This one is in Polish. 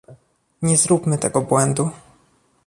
Nie zróbmy tego błędu